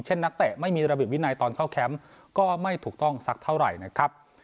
นักเตะไม่มีระเบียบวินัยตอนเข้าแคมป์ก็ไม่ถูกต้องสักเท่าไหร่นะครับ